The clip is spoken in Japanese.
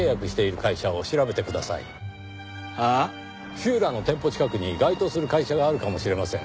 Ｆｙｒａの店舗近くに該当する会社があるかもしれません。